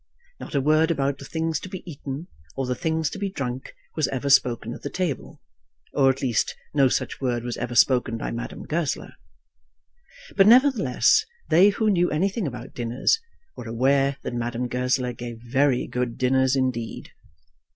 Not a word about the things to be eaten or the things to be drunk was ever spoken at the table, or at least no such word was ever spoken by Madame Goesler. But, nevertheless, they who knew anything about dinners were aware that Madame Goesler gave very good dinners indeed.